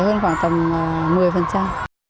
rẻ hơn khoảng tầm một mươi phần trăm